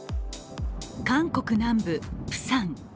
韓国南部、プサン。